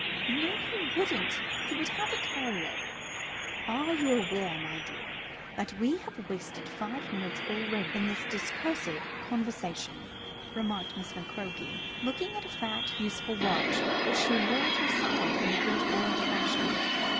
"No, he wouldn't. He'd have a courier." "Are you aware, my dear, that we have wasted five minutes already in this discursive conversation?" remarked Miss McCroke, looking at a fat useful watch, which she wore at her side in the good old fashion.